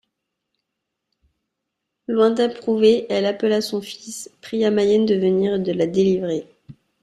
Loin d'approuver, elle appela son fils, pria Mayenne de venir et de la délivrer.